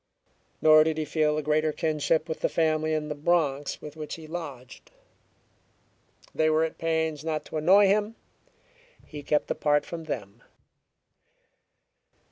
Nor did he feel a greater kinship with the family in the Bronx with which he lodged. They were at pains not to annoy him; he kept apart from them.